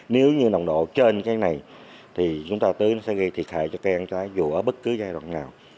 nếu như nồng độ trên cái này thì chúng ta tưới nó sẽ gây thiệt hại cho cây ăn trái dù ở bất cứ giai đoạn nào